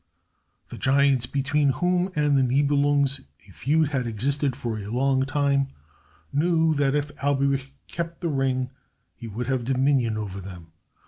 The giants, between whom and the Nibelungs a feud had existed for a long time, knew that if Alberich kept the ring he would have dominion over them.